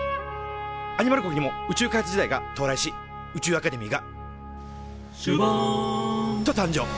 アニマル国にも宇宙開発時代が到来し宇宙アカデミーが「シュバン」と誕生。